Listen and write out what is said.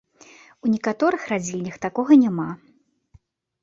У некаторых радзільнях такога няма.